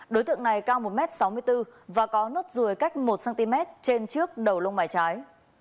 đối tượng này cao một m sáu mươi bốn và có nốt ruồi cách một cm trên trước đầu lông mảy trái